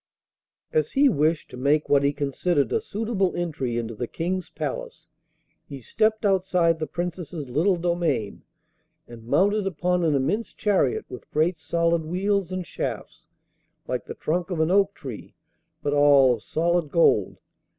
As he wished to make what he considered a suitable entry into the King's palace, he stepped outside the Princess's little domain, and mounted upon an immense chariot with great solid wheels, and shafts like the trunk of an oak tree, but all of solid gold.